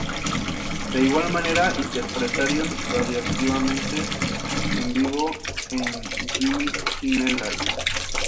De igual manera interpretaron ""Radioactive"" en vivo en "Jimmy Kimmel Live!